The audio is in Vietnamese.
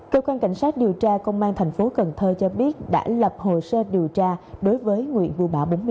cơ quan cảnh sát điều tra công an tp cn cho biết đã lập hồ sơ điều tra đối với nguyễn vũ bảo